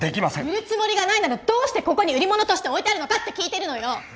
売るつもりがないならどうしてここに売り物として置いてあるのかって聞いてるのよ！